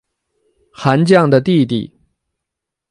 韩绛的弟弟。